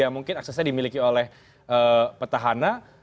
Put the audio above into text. yang mungkin aksesnya dimiliki oleh petahana